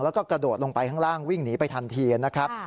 แล้วก็กระโดดลงไปข้างล่างวิ่งหนีไปทันทีนะครับ